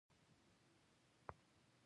نثر ته په انګريزي ژبه کي Prose وايي.